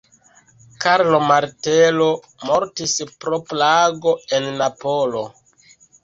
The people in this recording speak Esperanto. Karlo Martelo mortis pro plago en Napolo.